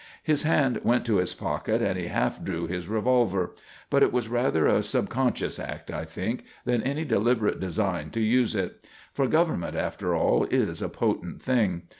His hand went to his pocket and he half drew his revolver; but it was rather a subconscious act, I think, than any deliberate design to use it. For Government, after all, is a potent thing.